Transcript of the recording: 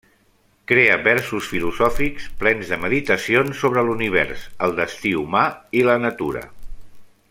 Crea versos filosòfics, plens de meditacions sobre l'univers, el destí humà i la natura.